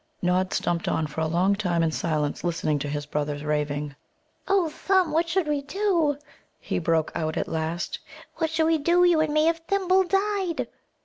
Nod stumped on for a long time in silence, listening to his brother's raving. "O Thumb, what should we do," he broke out at last "what should we do, you and me, if Thimble died?"